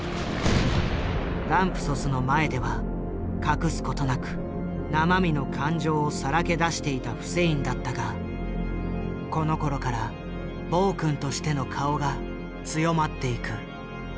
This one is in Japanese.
ランプソスの前では隠すことなく生身の感情をさらけ出していたフセインだったがこのころから暴君としての顔が強まっていく。